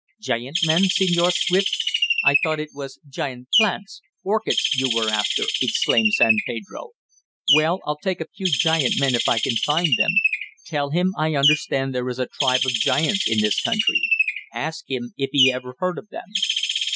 "Giant men, Senor Swift? I thought it was giant plants orchids you were after," exclaimed San Pedro. "Well, I'll take a few giant men if I can find them. Tell him I understand there is a tribe of giants in this country. Ask him if he ever heard of them."